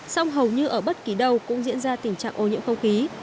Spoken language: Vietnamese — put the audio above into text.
song hầu như ở bất kỳ đâu cũng diễn ra tình trạng ô nhiễm không khí